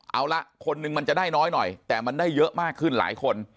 เอาละคนนึงมันจะได้น้อยหน่อยแต่มันได้เยอะมากขึ้นหลายคน